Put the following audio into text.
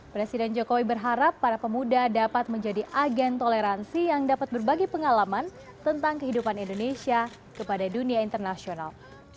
presiden jokowi berharap para pemuda dapat menjadi agen toleransi yang dapat berbagi pengalaman tentang kehidupan indonesia kepada dunia internasional